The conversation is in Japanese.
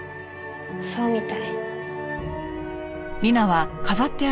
そうみたい。